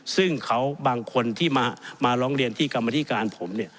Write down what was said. ซึ่งเขาบางคนที่มาร้องเรียนที่กรรมธิการผมเนี่ย